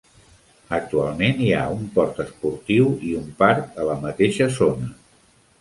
Actualment, hi ha un port esportiu i un parc a la mateixa zona.